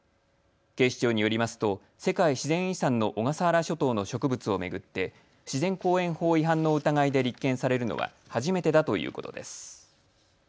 警視庁によりますと世界自然遺産の小笠原諸島の植物を巡って自然公園法違反の疑いで立件されるのは初めてだということです。